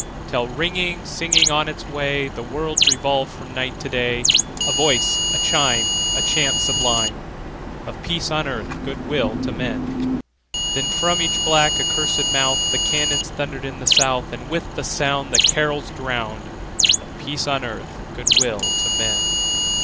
Till, ringing, singing on its way, The world revolved from night to day, A voice, a chime, A chant sublime Of peace on earth, good will to men! Then from each black, accursed mouth The cannon thundered in the South, And with the sound The carols drowned Of peace on earth, good will to men!